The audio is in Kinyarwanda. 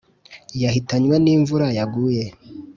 Yahitanywe n’imvura yaguye